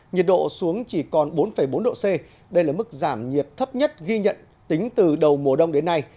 nhiệt độ xuống chỉ còn bốn bốn độ c đây là mức giảm nhiệt thấp nhất ghi nhận tính từ đầu mùa đông đến nay